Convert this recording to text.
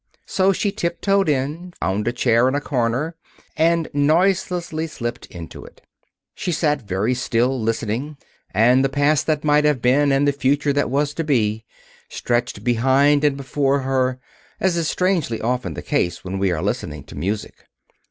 So she tip toed in, found a chair in a corner, and noiselessly slipped into it. She sat very still, listening, and the past that might have been, and the future that was to be, stretched behind and before her, as is strangely often the case when we are listening to music.